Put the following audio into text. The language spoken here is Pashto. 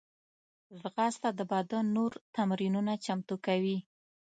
ځغاسته د بدن نور تمرینونه چمتو کوي